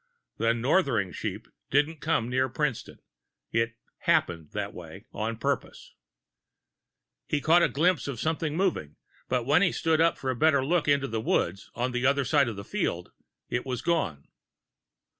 The northering sheep didn't come near Princeton it "happened" that way, on purpose. He caught a glimpse of something moving, but when he stood up for a better look into the woods on the other side of the field, it was gone.